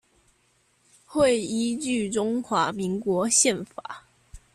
會依據中華民國憲法